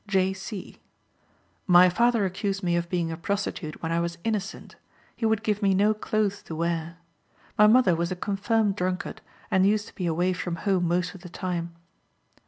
J. C.: "My father accused me of being a prostitute when I was innocent. He would give me no clothes to wear. My mother was a confirmed drunkard, and used to be away from home most of the time."